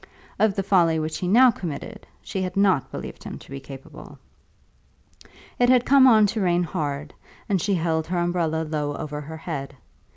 Of the folly which he now committed, she had not believed him to be capable. It had come on to rain hard, and she held her umbrella low over her head.